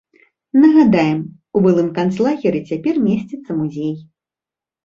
Нагадаем, у былым канцлагеры цяпер месціцца музей.